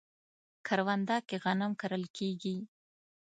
کرونده کې غنم کرل کیږي